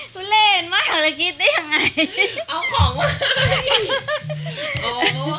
หนูเล่นมากละกิ๊ดได้ยังไง